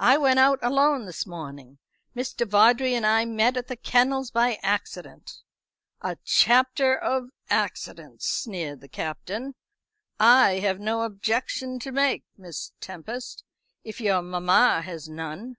"I went out alone this morning. Mr. Vawdrey and I met at the kennels by accident." "A chapter of accidents," sneered the Captain. "I have no objection to make, Miss Tempest, if your mamma has none.